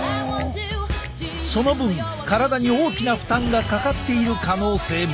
その分体に大きな負担がかかっている可能性も。